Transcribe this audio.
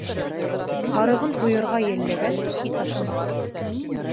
Һарығын һуйырға йәлләгән ит ашамаҫ.